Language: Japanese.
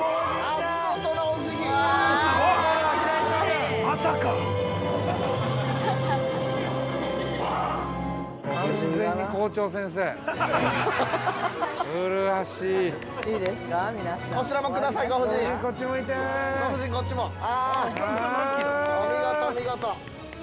◆お見事、お見事。